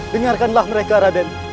dengarkanlah mereka raden